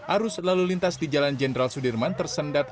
arus lalu lintas di jalan jenderal sudirman tersendat